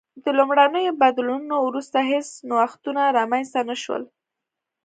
له لومړنیو بدلونونو وروسته هېڅ نوښتونه رامنځته نه شول